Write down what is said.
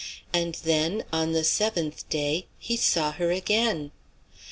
And then, on the seventh day, he saw her again.